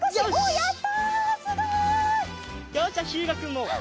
やった！